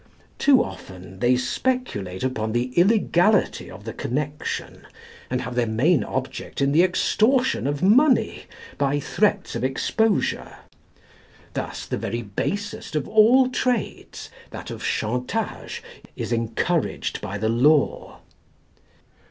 Too often they speculate upon the illegality of the connection, and have their main object in the extortion of money by threats of exposure. Thus the very basest of all trades, that of chantage, is encouraged by the law.